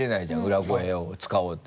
裏声を使おうって。